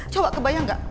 coba kebayang gak